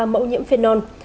ba mẫu nhiễm phenol